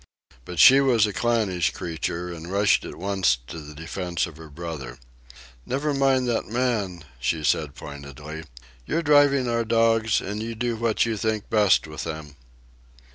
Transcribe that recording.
But she was a clannish creature, and rushed at once to the defence of her brother. "Never mind that man," she said pointedly. "You're driving our dogs, and you do what you think best with them."